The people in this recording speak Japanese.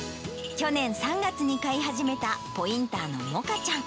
去年３月に飼い始めたポインターのモカちゃん。